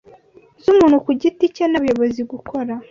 z'umuntu ku giti cye n'abayobozi gukora